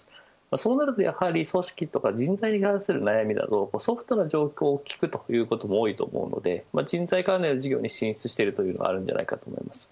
そうなるとやはり組織や人材に関する悩みなどソフトな情報を聞くということが多いと思うので人材関連の事業に進出しているというのはあると思います。